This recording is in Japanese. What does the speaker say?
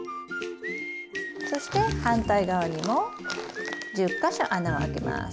そして反対側にも１０か所穴を開けます。